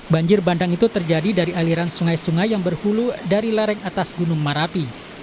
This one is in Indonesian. banjir bandang itu terjadi dari aliran sungai sungai yang berhulu dari lereng atas gunung marapi